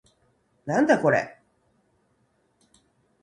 なんだこれ